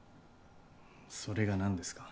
それが何ですか？